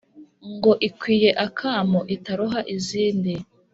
ngo ikwiye akamo itaroha izindi